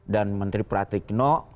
dan menteri pratikno